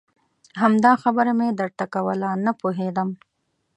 همدا خبره مې درته کوله نه پوهېدم.